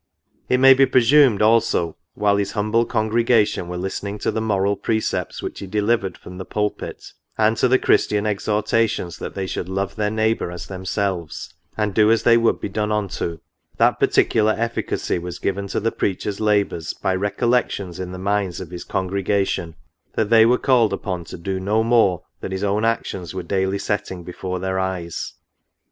It may be presumed also, while his humble congregation were listening to the moral precepts which he delivered from the pulpit, and to the Christian exhortations that they should love their neigh bour as themselves, and do as they would be done unto, that peculiar efficacy tv^as given to the preacher's labours by recollections in the minds of his congregation, that they were called upon to do no more than his own actions were daily setting before their eyes.